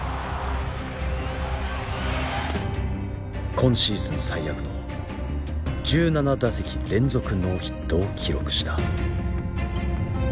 今シーズン最悪の１７打席連続ノーヒットを記録した。